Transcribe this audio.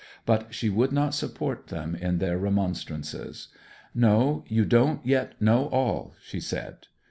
But she would not support them in their remonstrances. 'No, you don't yet know all,' she said.